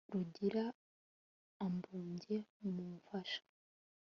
rugira ambumbye mumufasha